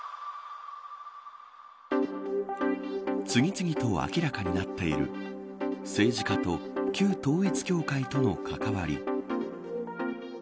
次々と明らかになっている政治家と旧統一教会との関わり。